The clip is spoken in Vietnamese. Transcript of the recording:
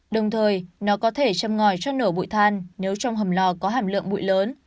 đồng thời nó có thể châm ngòi cho nở bụi than nếu trong hầm lò có hàm lượng bụi lớn